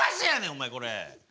お前これ。